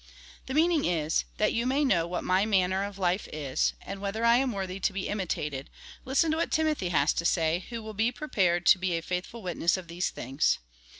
The meaning is: "That you may know what my manner of life is, and whether I am worthy to be imitated, listen to what Timothy has to say, who will be prepared to be a faithful witness of these things.